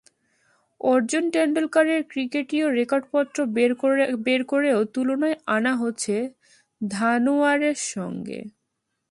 অর্জুন টেন্ডুলকারের ক্রিকেটীয় রেকর্ডপত্র বের করেও তুলনায় আনা হচ্ছে ধানওয়ারের সঙ্গে।